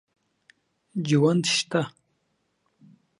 ژوند سته.